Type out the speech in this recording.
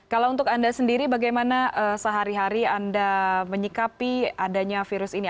kalau untuk anda sendiri bagaimana sehari hari anda menyikapi adanya virus ini